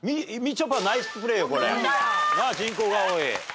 人口が多い。